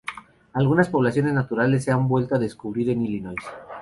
Algunas poblaciones naturales se han vuelto a descubrir en Illinois.